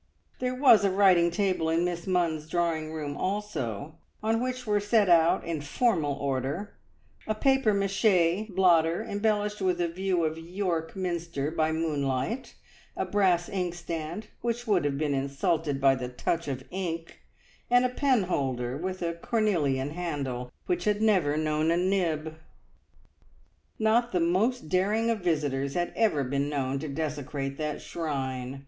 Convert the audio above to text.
There was a writing table in Miss Munns's drawing room also, on which were set out, in formal order, a papier mache blotter embellished with a view of York Minster by moonlight, a brass ink stand, which would have been insulted by the touch of ink, and a penholder with a cornelian handle which had never known a nib. Not the most daring of visitors had ever been known to desecrate that shrine.